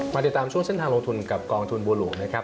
ติดตามช่วงเส้นทางลงทุนกับกองทุนบัวหลวงนะครับ